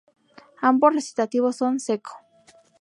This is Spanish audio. Ambos recitativos son "secco".